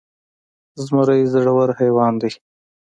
زمری زړور حيوان دی.